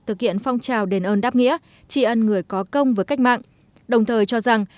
thực hiện phong trào đền ơn đáp nghĩa tri ân người có công với cách mạng đồng thời cho rằng